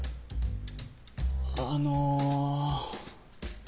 あの。